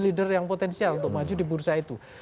leader yang potensial untuk maju di bursa itu